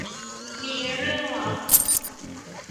มีเรื่องลับ